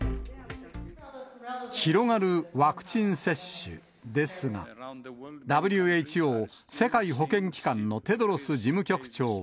広がるワクチン接種ですが、ＷＨＯ・世界保健機関のテドロス